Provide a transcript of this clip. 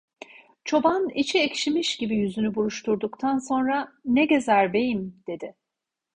Çoban, içi ekşimiş gibi yüzünü buruşturduktan sonra: "Ne gezer, beyim" dedi.